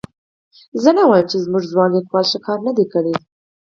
زه نه وایم چې زموږ ځوان لیکوال ښه کار نه دی کړی.